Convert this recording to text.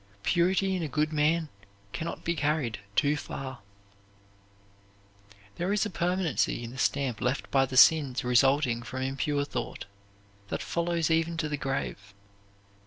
Purity in a good man can not be carried too far. There is a permanency in the stamp left by the sins resulting from impure thought that follows even to the grave.